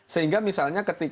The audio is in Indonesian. sehingga misalnya ketika